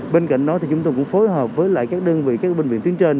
bên cạnh đó chúng tôi cũng phối hợp với các đơn vị các bệnh viện tuyến trên